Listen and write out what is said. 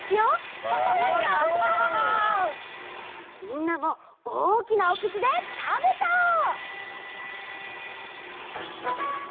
みんなもおおきなおくちでたべちゃおう！